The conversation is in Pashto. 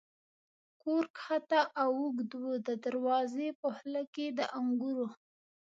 کور کښته او اوږد و، د دروازې په خوله کې د انګورو.